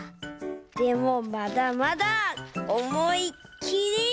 でもまだまだおもいっきり！